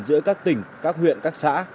giữa các tỉnh các huyện các xã